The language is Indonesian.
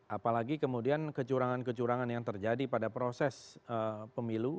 apalagi kemudian kecurangan kecurangan yang terjadi pada proses pemilu